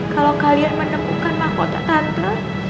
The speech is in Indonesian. kalau kalian menemukan mahkota tante